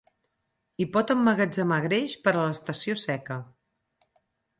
Hi pot emmagatzemar greix per a l'estació seca.